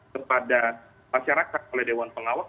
kepada masyarakat oleh dewan pengawas